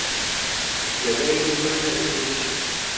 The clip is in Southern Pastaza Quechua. Yayayni mana rukuchu.